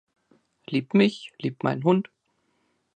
Liebt mich, liebt meinen Hund.